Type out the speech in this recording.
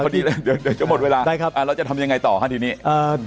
เดี๋ยวหมดเวลาเราจะทำยังไงต่อครับทีนี้